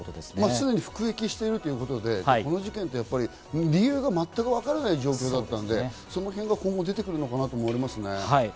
すでに服役しているということで、この事件、理由が全くわからない状況だったので、そのへんが今後、出てくるのかなと思いますね。